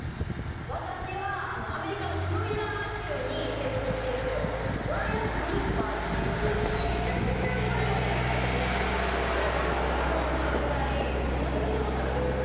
私はアメリカのフロリダ州に生息してるゴライアスグルーパーっていうめちゃくちゃこれもでかいんでサメとかも丸のんじゃうぐらい何でも食べてくる。